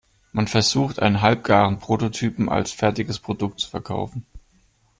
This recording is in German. Man versucht, einen halbgaren Prototypen als fertiges Produkt zu verkaufen.